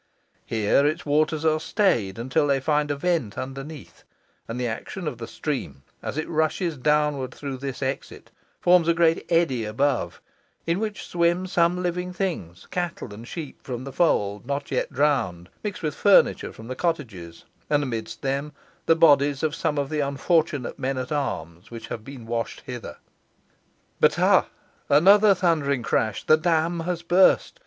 Here its waters are stayed until they find a vent underneath, and the action of the stream, as it rushes downwards through this exit, forms a great eddy above, in which swim some living things, cattle and sheep from the fold not yet drowned, mixed with furniture from the cottages, and amidst them the bodies of some of the unfortunate men at arms which have been washed hither. But, ha! another thundering crash. The dam has burst.